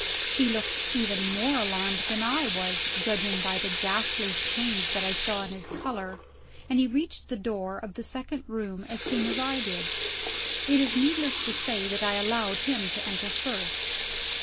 He looked even more alarmed than I was, judging by the ghastly change that I saw in his color; and he reached the door of the second room as soon as I did. It is needless to say that I allowed him to enter first.